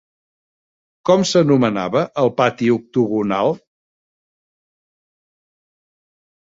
Com s'anomenava el Pati Octogonal?